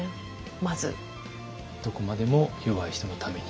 どこまでも弱い人のために。